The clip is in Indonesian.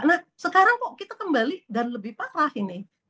nah sekarang kok kita kembali dan lebih parah ini